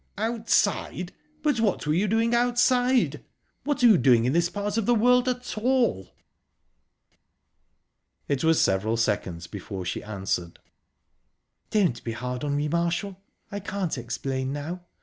"Outside? But what were you doing outside? What are you doing in this part of the world at all?" It was several seconds before she answered. "Don't be hard on me, Marshall, I can't explain now...